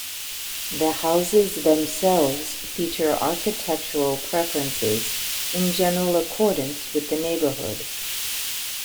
The houses themselves feature architectural preferences in general accordance with the neighborhood.